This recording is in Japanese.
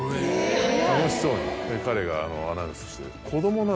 楽しそうに彼がアナウンスして。